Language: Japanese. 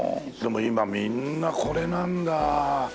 でも今みんなこれなんだ。